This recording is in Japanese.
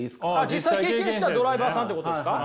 実際経験したドライバーさんってことですか？